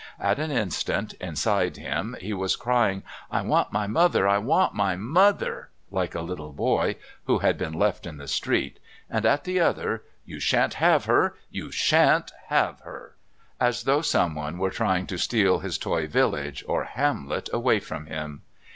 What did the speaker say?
At an instant, inside him, he was crying: "I want my mother! I want my mother!" like a little boy who had been left in the street, and at the other, "You shan't have her! You shan't have her!" as though someone were trying to steal his Toy Village or Hamlet away from him.